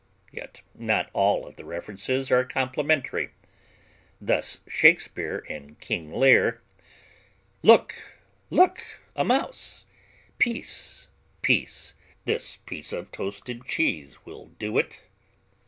Yet not all of the references are complimentary. Thus Shakespeare in King Lear: Look, look a mouse! Peace, peace; this piece of toasted cheese will do it.